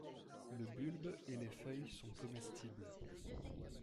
Le bulbes et les feuilles sont comestibles.